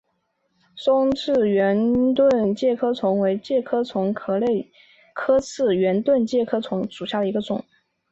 松栉圆盾介壳虫为盾介壳虫科栉圆盾介壳虫属下的一个种。